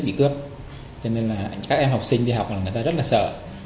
vì giết bị cướp cho nên là các em học sinh đi học là người ta rất là sợ